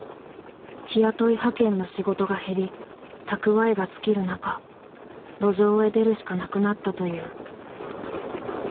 日雇い派遣の仕事が減り蓄えが尽きる中路上へ出るしかなくなったという。